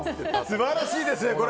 素晴らしいですね。